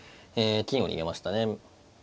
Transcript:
金を逃げましたね。